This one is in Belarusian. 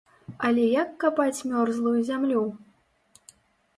Але як капаць мёрзлую зямлю?